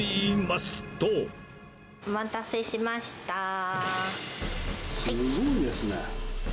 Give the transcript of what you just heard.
すごいですね。